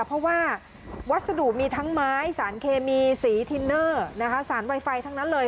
เพราะว่าวัสดุมีทั้งไม้สารเคมีสีทินเนอร์สารไวไฟทั้งนั้นเลย